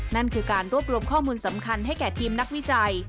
นั่นคือการรวบรวมข้อมูลสำคัญให้แก่ทีมนักวิจัย